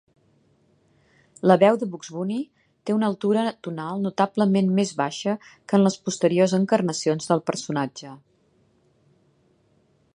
La veu de Bugs Bunny té una altura tonal notablement més baixa que en les posteriors encarnacions del personatge.